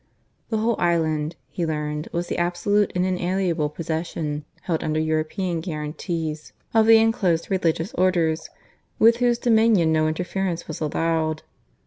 The whole island, he learned, was the absolute and inalienable possession, held under European guarantees, of the enclosed Religious Orders, with whose dominion no interference was allowed.